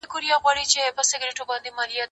زه به سبا سبزیجات جمع کوم،